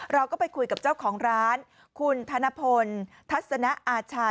เราก็ไปคุยกับเจ้าของร้านคุณธนพลทัศนะอาชา